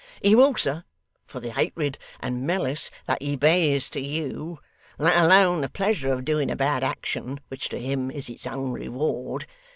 He will, sir, for the hatred and malice that he bears to you; let alone the pleasure of doing a bad action, which to him is its own reward.